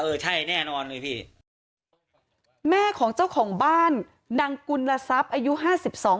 ใช่แน่นอนเลยพี่แม่ของเจ้าของบ้านนางกุลทรัพย์อายุห้าสิบสอง